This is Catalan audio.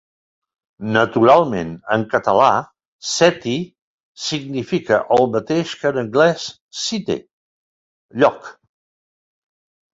Naturalment, en català “seti” significa el mateix que en anglès “site”: lloc.